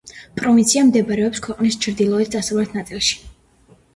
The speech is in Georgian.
პროვინცია მდებარეობს ქვეყნის ჩრდილო-დასავლეთ ნაწილში.